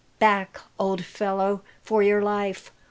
"Back, old fellow, for your life!